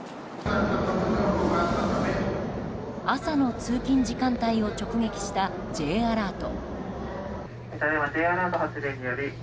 朝の通勤時間帯を直撃したＪアラート。